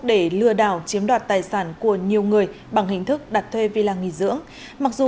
để lừa đảo chiếm đoạt tài sản của nhiều người bằng hình thức đặt thuê vì là nghỉ dưỡng